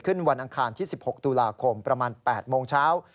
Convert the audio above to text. วันอังคารที่๑๖ตุลาคมประมาณ๘โมงเช้า